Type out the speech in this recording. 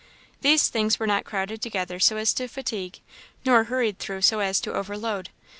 These things were not crowded together so as to fatigue, nor hurried through so as to overload.